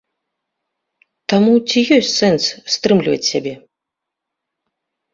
Таму ці ёсць сэнс стрымліваць сябе?